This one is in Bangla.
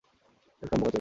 ওয়েলকাম, বোকাচোদা।